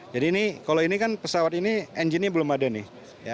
jadi ini kalau ini kan pesawat ini engine nya belum ada nih